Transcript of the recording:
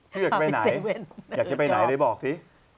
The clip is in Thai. ภิกษานยังไงหากเธอไปไหนเลยบอกซิ